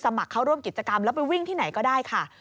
เข้าร่วมกิจกรรมแล้วไปวิ่งที่ไหนก็ได้ค่ะ